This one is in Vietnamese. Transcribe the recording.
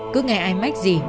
cứ nghe ai mách gì